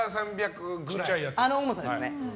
あの重さですね。